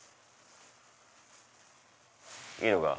いいのか？